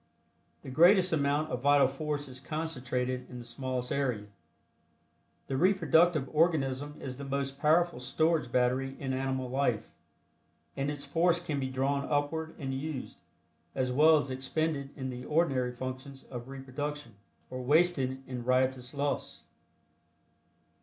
The greatest amount of vital force is concentrated in the smallest area. The reproductive organism is the most powerful storage battery in animal life, and its force can be drawn upward and used, as well as expended in the ordinary functions of reproduction, or wasted in riotous lust.